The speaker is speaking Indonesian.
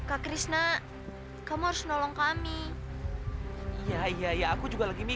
aku ingin menikahimu